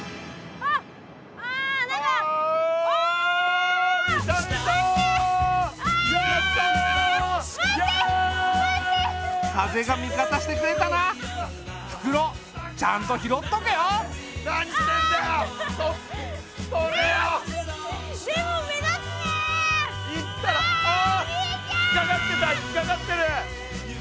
ああ引っ掛かってた引っ掛かってる！